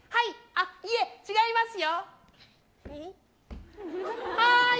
いえ、違いますよ。